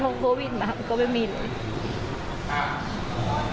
แต่พอโควิดมากก็ไม่มีเลย